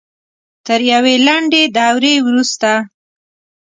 تر یوې لنډې دورې وروسته